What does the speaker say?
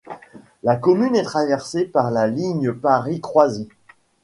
La commune est traversée par la ligne Paris-Croisic.